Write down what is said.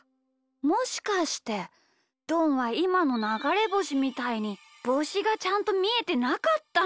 もしかしてどんはいまのながれぼしみたいにぼうしがちゃんとみえてなかったんだ。